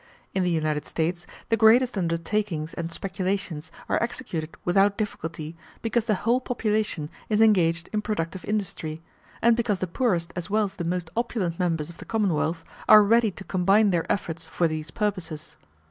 In the United States the greatest undertakings and speculations are executed without difficulty, because the whole population is engaged in productive industry, and because the poorest as well as the most opulent members of the commonwealth are ready to combine their efforts for these purposes.